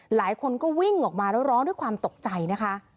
หลายคนก็วิ่งออกมาแล้วร้องด้วยความตกใจนะคะ